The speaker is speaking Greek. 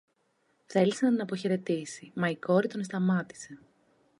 Θέλησε να την αποχαιρετήσει, μα η κόρη τον εσταμάτησε.